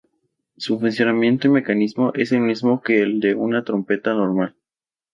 Su funcionamiento y mecanismo es el mismo que el de una trompeta normal.